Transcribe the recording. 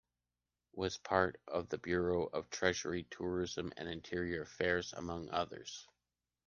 Was part of the bureaus of treasury, tourism and interior affairs among others.